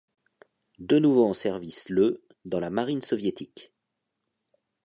De nouveau en service le dans la Marine soviétique.